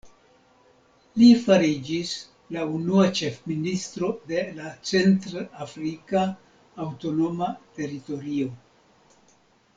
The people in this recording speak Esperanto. Li fariĝis la unua ĉefministro de la centr-afrika aŭtonoma teritorio.